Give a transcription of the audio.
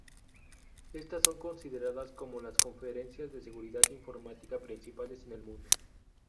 Estas son consideradas como las conferencias de seguridad informática principales en el mundo.